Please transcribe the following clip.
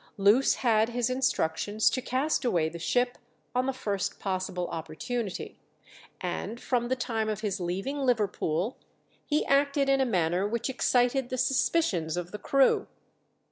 Loose had his instructions to cast away the ship on the first possible opportunity, and from the time of his leaving Liverpool he acted in a manner which excited the suspicions of the crew.